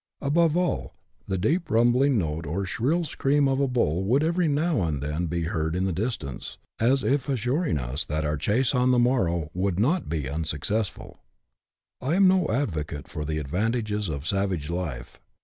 Above all, the deep rumbling note or shrill scream of a bull would every now and then be heard in the distance, as if assuring us that our chase on the morrow would not be unsuccessful. I am no advocate for the advantages of savage life.